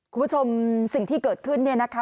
คุณผู้ชมสิ่งที่เกิดขึ้นเนี่ยนะคะ